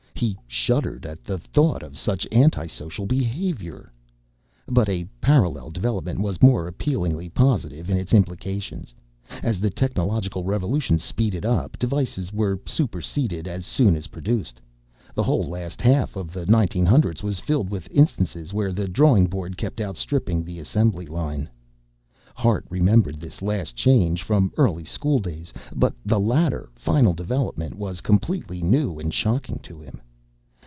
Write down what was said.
He shuddered at the thought of such anti social behavior. But a parallel development was more appealingly positive in its implications. As the technological revolution speeded up, devices were superseded as soon as produced. The whole last half of the 1900's was filled with instances where the drawing board kept outstripping the assembly line. Hart remembered this last change from early school days but the later, final development was completely new and shocking to him.